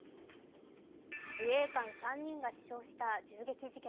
自衛官３人が死傷した銃撃事件。